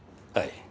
はい。